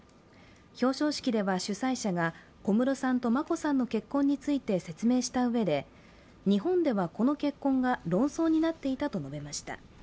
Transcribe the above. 表彰式では主催者が小室さんと眞子さんの結婚について説明したうえで日本では、この結婚が論争になっていたと述べました。